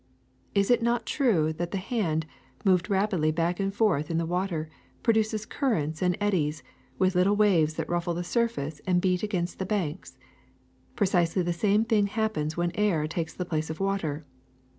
Is it not true that the hand, moved rapidly back and forth in the water, produces currents and eddies, with little weaves that ruffle the surface and beat against the banks! Precisely the same thing happens when air takes the place of water.